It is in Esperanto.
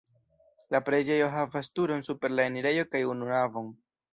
La preĝejo havas turon super la enirejo kaj unu navon.